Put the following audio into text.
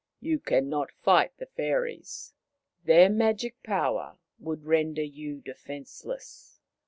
You can not fight the fairies. Their magic power would render you defenceless.